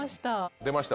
出ました